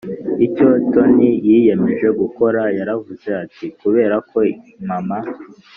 icyo Tony yiyemeje gukora Yaravuze ati kubera ko mama